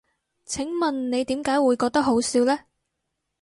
請問你點解會覺得好笑呢？